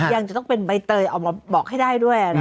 ยังจะต้องเป็นใบเตยออกมาบอกให้ได้ด้วย